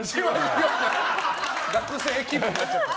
学生気分になっちゃって。